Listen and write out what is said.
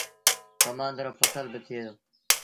ڪمآݩد رو ڦسل با ٿئي دو۔